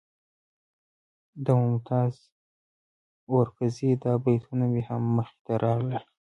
د ممتاز اورکزي دا بیتونه مې هم مخې ته راغلل.